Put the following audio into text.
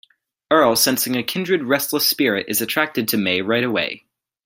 Earl, sensing a kindred restless spirit, is attracted to Mae right away.